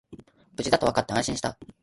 無事だとわかって安心した